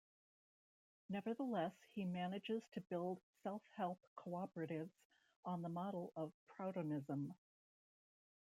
Nevertheless he manages to build self-help cooperatives on the model of Proudhonism.